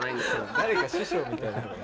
誰か師匠みたいなのが。